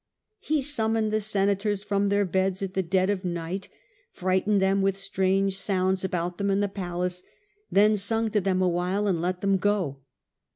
He summoned the oracles, senators from their beds at the dead of night, frightened them with strange sounds about them in the palace, then sung to them awhile and let them go.